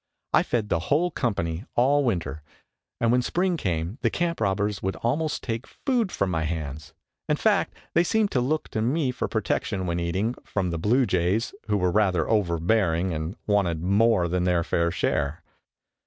I fed the whole company all winter and when spring came the camp robbers would almost take food from my hands; in fact they seemed to look to me for protection, when eating, from the bluejays, who were rather overbearing and wanted more than their share.